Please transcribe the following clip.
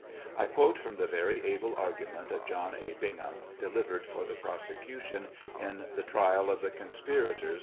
I quote from the very able arguinent of 'John A. Bingham, delivered for the prosecution in the trial of the conspirators 750 TKIAL OF HENRY WIRZ.